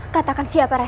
katakan siapa rai